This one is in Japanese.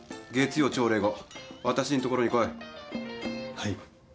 はい。